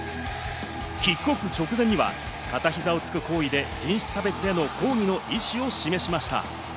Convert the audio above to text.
キックオフ直前には、片ひざをつく行為で人種差別への抗議の意思を示しました。